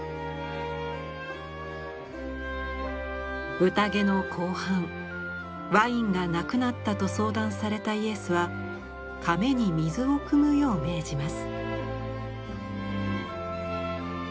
うたげの後半ワインがなくなったと相談されたイエスは甕に水をくむよう命じます。